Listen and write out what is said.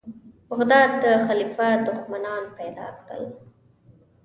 بغداد د خلیفه دښمنان پیدا کړل.